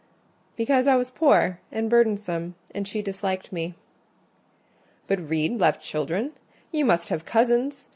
"Because I was poor, and burdensome, and she disliked me." "But Reed left children?—you must have cousins?